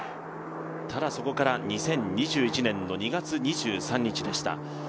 ただ、そこから２０２１年２月２３日でした。